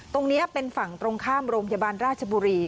ตรงนี้เป็นฝั่งตรงข้ามโรงพยาบาลราชบุรี